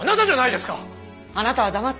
あなたは黙って。